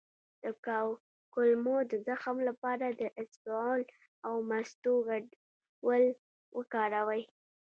د کولمو د زخم لپاره د اسپغول او مستو ګډول وکاروئ